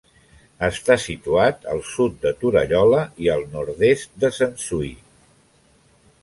Està situat al sud de Torallola i al nord-est de Sensui.